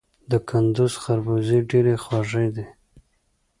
د کندز خربوزې ډیرې خوږې دي